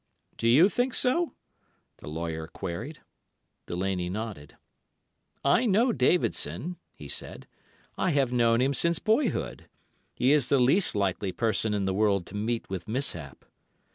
"'Do you think so?' the lawyer queried. "Delaney nodded. "'I know Davidson,' he said; 'I have known him since boyhood. He is the least likely person in the world to meet with mishap.